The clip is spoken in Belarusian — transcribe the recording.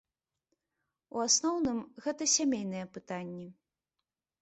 У асноўным гэта сямейныя пытанні.